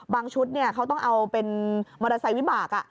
ชุดเขาต้องเอาเป็นมอเตอร์ไซค์วิบาก